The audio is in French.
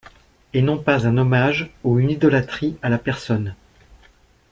Et non pas un hommage ou une idolatrie à la personne.